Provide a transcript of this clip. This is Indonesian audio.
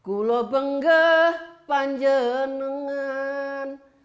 kulo benggeh panjenengan